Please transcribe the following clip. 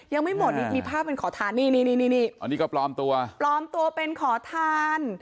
ยังไม่หมดนี่มีภาพเป็นขอทานนี่นี่นี่อันนี้ก็ปลอมตัวปลอมตัวเป็นขอทาน